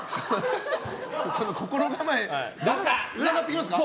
心構えつながってきますか？